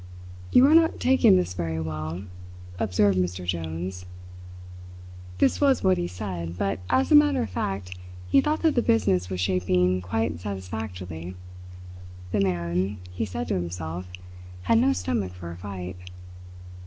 "You are not taking this very well," observed Mr. Jones. This was what he said, but as a matter of fact he thought that the business was shaping quite satisfactorily. The man, he said to himself, had no stomach for a fight.